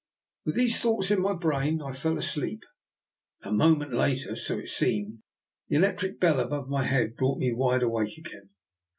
With these thoughts in my brain I fell asleep. A moment later, so it seemed, the electric bell above my head brought me wide awake again.